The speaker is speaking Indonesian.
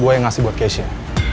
gue yang ngasih buat kesha